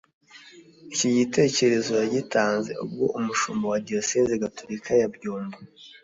Iki gitekerezo yagitanze ubwo umushumba wa Diyoseze Gatulika ya Byumba